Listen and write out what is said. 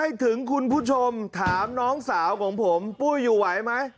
ให้ถึงคุณผู้ชมถามน้องสาวของผมปุ้ยอยู่ไหวไหม